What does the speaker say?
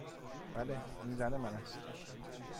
بله. این زن من است.